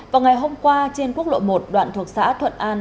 vào ngày hôm qua trên quốc lộ một đoạn thuộc xã thuận an